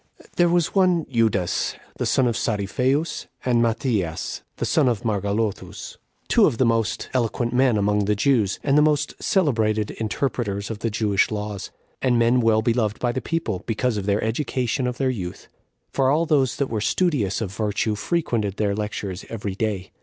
2. There was one Judas, the son of Saripheus, and Matthias, the son of Margalothus, two of the most eloquent men among the Jews, and the most celebrated interpreters of the Jewish laws, and men well beloved by the people, because of their education of their youth; for all those that were studious of virtue frequented their lectures every day.